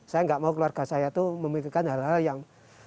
saya nggak mau keluarga saya itu memikirkan hal hal yang